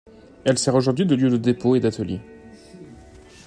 Elle sert aujourd'hui de lieu de dépôt et d'atelier.